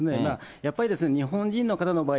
やっぱりですね、日本人の方の場合、